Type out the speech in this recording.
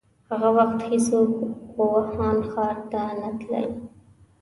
هغه وخت هيڅوک ووهان ښار ته نه تلل.